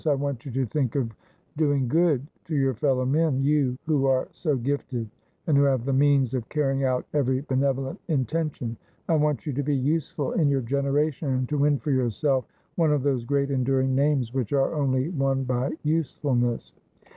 ' I want you to think of doing good to your fellow men — you, who are so gifted, and who have the means of carrying out every benevolent inten tion. I want you to be useful in your generation, and to win for yourself one of those great enduring names which are only won by usefulness.'